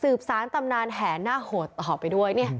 สืบสารตำนานแห่หน้าหดออกไปด้วยเนี่ย